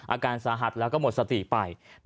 อาการสาหัสแล้วก็หมดสติไป